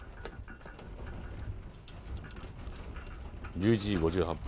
１１時５８分